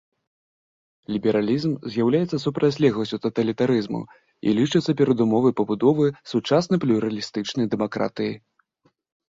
Лібералізм з'яўляецца супрацьлегласцю таталітарызму і лічыцца перадумовай пабудовы сучаснай плюралістычнай дэмакратыі.